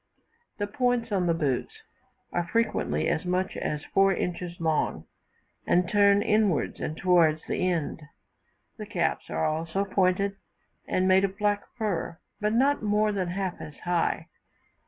The points on the boots are frequently as much as four inches long, and turned inward and towards the end; the caps are also pointed, and made of black fur, but not more than half as high.